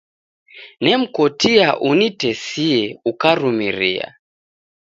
Nemkotia unitesie ukarumiria.